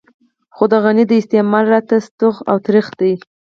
خو د غني د استعمال راته ستوغ او ترېخ دی.